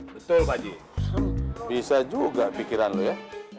betul pak j bisa juga pikiran lo ya